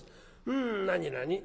「うん何何？